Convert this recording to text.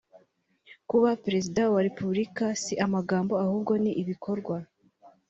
kuba perezida wa repeburika si amagambo ahubwo ni ibikorwa